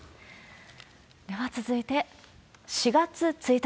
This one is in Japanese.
では続いて、４月１日。